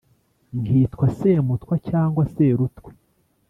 Nkitwa Semutwa cyangwa Serutwe